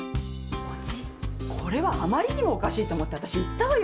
これはあまりにもおかしいと思ってわたし行ったわよ